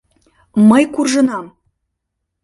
— Мый куржынам.